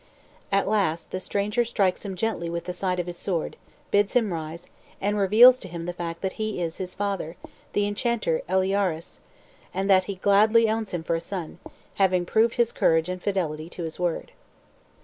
At last the stranger strikes him gently with the side of the sword, bids him rise, and reveals to him the fact that he is his father, the enchanter Eliaures, and that he gladly owns him for a son, having proved his courage and fidelity to his word.